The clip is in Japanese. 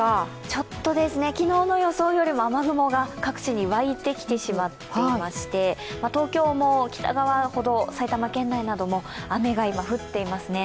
ちょっと昨日の予想よりも雨雲が各地に湧いてきてしまっていまして東京も北側ほど埼玉県内なども雨が今、降っていますね。